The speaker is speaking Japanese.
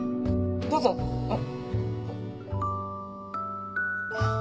どうぞあっ。